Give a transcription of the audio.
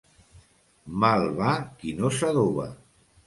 Mal va qui no s'adoba.